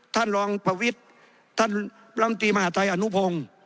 ท่านรองประวิทย์ท่านรำตีมหาธัยอนุพงศ์